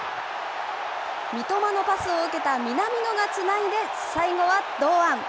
三笘のパスを受けた南野がつないで、最後は堂安。